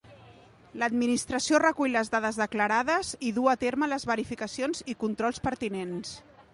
L'administració recull les dades declarades i duu a terme les verificacions i controls pertinents.